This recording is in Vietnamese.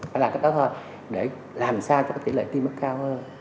phải làm cái đó thôi để làm sao cho tỷ lệ tiêm bớt cao hơn